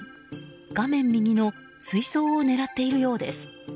画面右の水槽を狙っているようです。